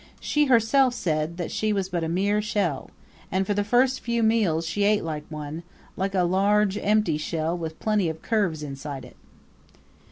She herself said that she was but a mere shell; and for the first few meals she ate like one like a large, empty shell with plenty of curves inside it.